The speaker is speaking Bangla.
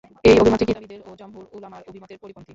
এই অভিমতটি কিতাবীদের ও জমহুর উলামার অভিমতের পরিপন্থী।